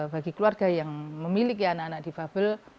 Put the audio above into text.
bagi keluarga yang memiliki anak anak difabel